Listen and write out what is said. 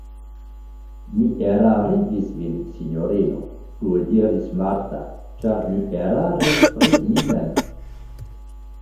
Mi erarigis vin, sinjorino, plue diris Marta, ĉar mi eraris pri mi mem.